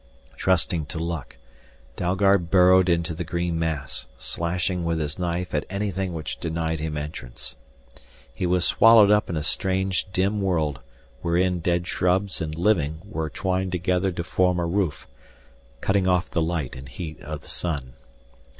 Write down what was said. Trusting to luck, Dalgard burrowed into the green mass, slashing with his knife at anything which denied him entrance. He was swallowed up in a strange dim world wherein dead shrubs and living were twined together to form a roof, cutting off the light and heat of the sun.